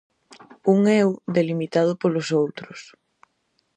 Un eu delimitado polos outros.